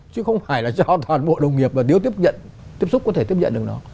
chứ không phải là cho toàn bộ đồng nghiệp và tiếp xúc có thể tiếp nhận được nó